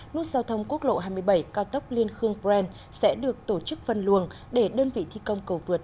nút giao thông quốc lộ hai mươi bảy cao tốc liên khương brand sẽ được tổ chức phân luồng để đơn vị thi công cầu vượt